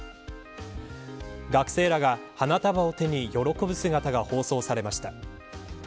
学生らが、花束を手に喜ぶ姿が放送されました。